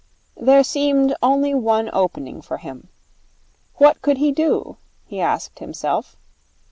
There seemed only one opening for him. What could he do, he asked himself.